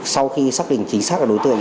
sau khi xác định chính xác đối tượng